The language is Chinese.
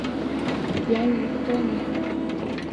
严虞敦人。